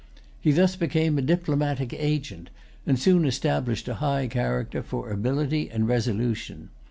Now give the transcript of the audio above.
He thus became a diplomatic agent, and soon established a high character for ability and resolution.